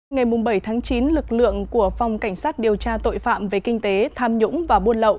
ngày bảy chín lực lượng của phòng cảnh sát điều tra tội phạm về kinh tế tham nhũng và buôn lậu